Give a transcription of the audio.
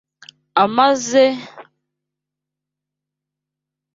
Amazi meza y’urubogobogo araryoha